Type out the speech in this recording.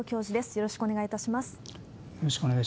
よろしくお願いします。